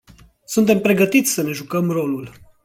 Suntem pregătiți să ne jucăm rolul.